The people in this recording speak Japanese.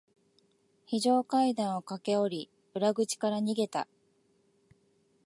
非常階段を駆け下り、裏口から逃げた。